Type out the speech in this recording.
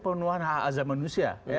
pemenuhan hak azam manusia